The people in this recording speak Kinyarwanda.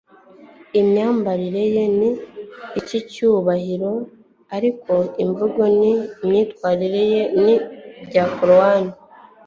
imyambarire ye ni iy'icyubahiro, ariko imvugo n'imyitwarire ye ni ibya clown